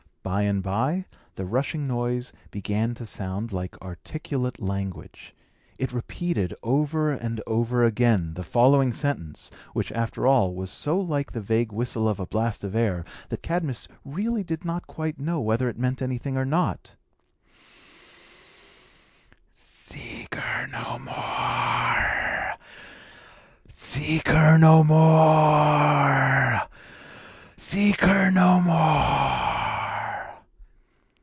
By and by, the rushing noise began to sound like articulate language. It repeated, over and over again, the following sentence, which, after all, was so like the vague whistle of a blast of air, that Cadmus really did not quite know whether it meant anything or not: "Seek her no more! Seek her no more! Seek her no more!"